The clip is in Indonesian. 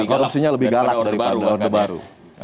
korupsinya lebih galak daripada orde baru